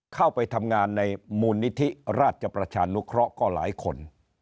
เข้าไปทำงานในมูลนิธิราชประชานุเคราะห์ก็หลายคน